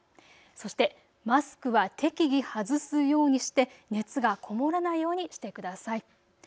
そしてマスクは適宜外すようにして熱がこもらないようにしてください。